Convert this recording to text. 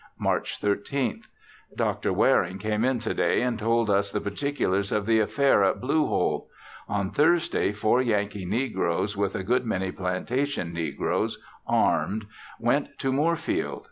March 13th. Dr Waring came in to day and told us the particulars of the affair at Blue Hole. On Thursday four Yankee negroes, with a good many plantation negroes, armed, went to Moorfield.